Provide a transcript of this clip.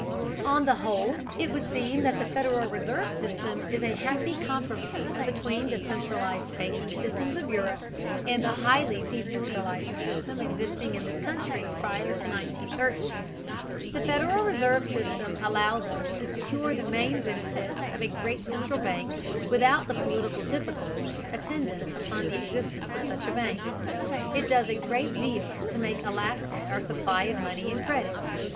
On the whole, it would seem that the Federal Reserve System is a happy compromise between the centralized banking systems of Europe and the highly decentralized system existing in this country prior to 1913. The Federal Reserve system allows us to secure the main benefits of a great central bank without the political difficulties attendant upon the existence of such a bank. It does a great deal to make elastic our supply of money and credit.